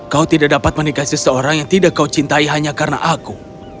kau tidak dapat menikahi seseorang yang tidak kau cintai hanya karena aku